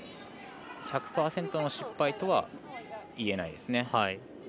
１００％の失敗とはいえないですね。